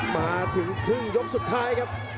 มาถึงครึ่งยกสุดท้ายครับ